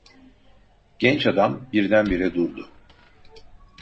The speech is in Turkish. Genç adam birdenbire durdu.